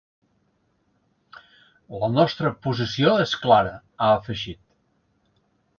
La nostra posició és clara, ha afegit.